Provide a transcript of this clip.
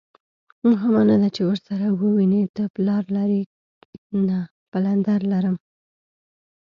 مهمه نه ده چې ورسره ووینې، ته پلار لرې؟ نه، پلندر لرم.